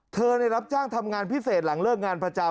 ในรับจ้างทำงานพิเศษหลังเลิกงานประจำ